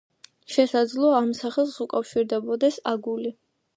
შესაძლოა ამ სახელს უკავშირდებოდეს „აგული“.